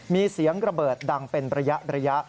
มีเสียงระเบิดดังเป็นระยะ